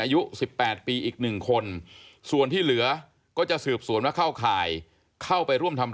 หากผู้ต้องหารายใดเป็นผู้ต้องหารายใดเป็นผู้กระทำจะแจ้งข้อหาเพื่อสรุปสำนวนต่อพนักงานอายการจังหวัดกรสินต่อไป